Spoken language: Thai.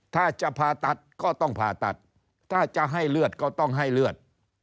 ถ้าจะผ่าตัดก็ต้องผ่าตัดถ้าจะให้เลือดก็ต้องให้เลือด